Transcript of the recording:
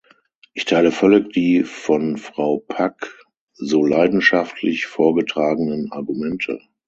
Ich teile völlig die von Frau Pack so leidenschaftlich vorgetragenen Argumente.